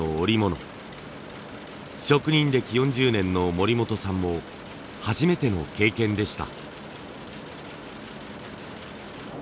職人歴４０年の森本さんも初めての経験でした。